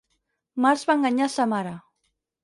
Març va enganyar sa mare.